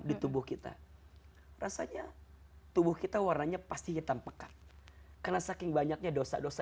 di tubuh kita rasanya tubuh kita warnanya pasti hitam pekat karena saking banyaknya dosa dosa